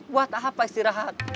buat apa istirahat